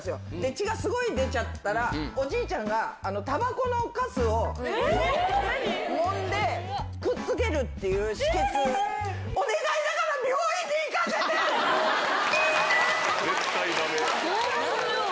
血がすごい出ちゃったら、おじいちゃんが、たばこのかすをもんでくっつけるっていう止血、お願いだから、絶対だめ。